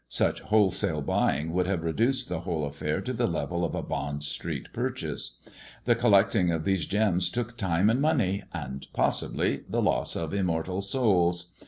I o{ Such wholesale buying would have reduced the whole a&irl H to the level of a Bond Street purchase. The collecting of | K these gems took time and money, and (possibly) the loss of immortal souls.